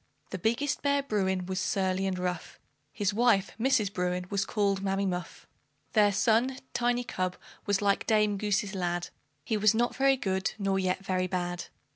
The biggest bear, Bruin, was surly and rough; His wife, Mrs. Bruin, was called Mammy Muff. Their son, Tiny cub, was like Dame Goose's lad; He was not very good, nor yet very bad.